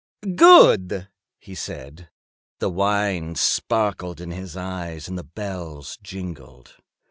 "Good!" he said. The wine sparkled in his eyes and the bells jingled.